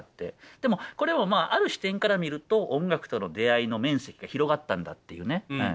でもこれもまあある視点から見ると音楽との出会いの面積が広がったんだっていうね。